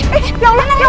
eh eh ya allah ya allah